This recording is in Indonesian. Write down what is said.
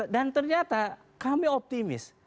dan ternyata kami optimis